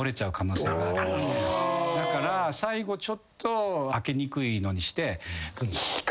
だから最後ちょっと開けにくいのにして。